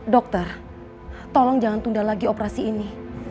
dokter tolong jangan tunda lagi operasi ini